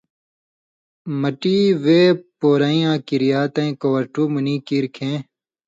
مٹی وے پورئن٘یاں کریا تَیں کؤرٹُو منی کیریۡ کھیں